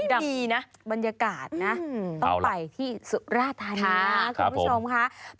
ไม่มีนะบรรยากาศนะเอาล่ะต้องไปที่สุราธารณะค่ะขอบคุณผู้ชมค่ะ